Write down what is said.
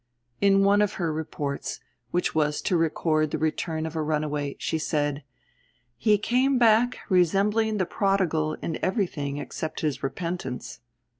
In one of her reports, which has to record the return of a runaway, she said: "He came back resembling the prodigal in everything except his repentance!"